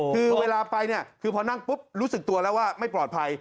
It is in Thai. คือเวลาไปเนี่ยคือพอนั่งปุ๊บรู้สึกตัวแล้วว่าไม่ปลอดภัย